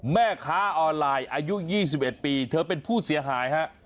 แม่ค้าออนไลน์อายุ๒๑ปีเธอเป็นผู้เสียหายฮะ